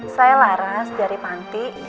saya lara dari panti